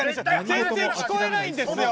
全然聞こえないんですよ！